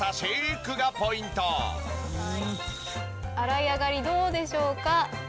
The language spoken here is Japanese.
洗い上がりどうでしょうか？